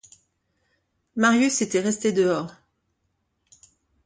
Marius était resté dehors.